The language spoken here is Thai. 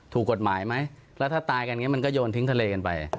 ถูกกฎหมายไหมแล้วถ้าตายกันอย่างนี้มันก็โยนทิ้งทะเลกันไป